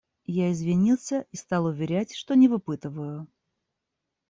Я извинился и стал уверять, что не выпытываю.